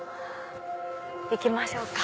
行きましょうか。